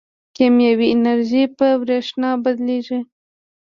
کیمیاوي انرژي په برېښنا بدلېږي.